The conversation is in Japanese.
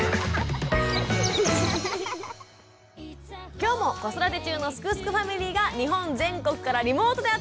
今日も子育て中の「すくすくファミリー」が日本全国からリモートで集まってくれています。